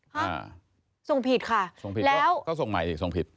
ฮะส่งผิดค่ะแล้วส่งผิดก็ส่งใหม่สิส่งผิด